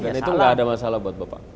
dan itu gak ada masalah buat bapak